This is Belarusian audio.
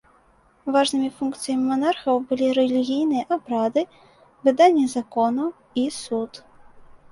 Важнымі функцыямі манархаў былі рэлігійныя абрады, выданне законаў і суд.